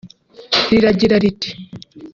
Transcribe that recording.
riragira riti